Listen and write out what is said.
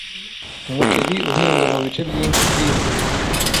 Umuceri uhingwa mu bice byinshi byisi.